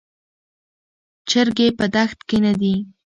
چرګې په دښت کې نه دي.